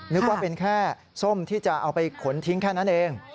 นึกว่าเป็นแค่ส้มที่จะเอาไปขนทิ้งแค่นั้นเอง